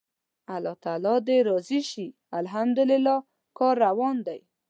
الله تعالی دې راضي شي، الحمدلله کار روان دی.